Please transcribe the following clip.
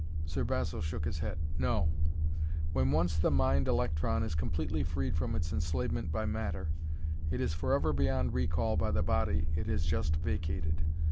Sir Basil shook his head. "No. When once the mind electron is completely freed from its enslavement by matter, it is forever beyond recall by the body it has just vacated.